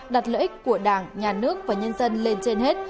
đặt lợi ích của đảng nhà nước và nhân dân lên trên hết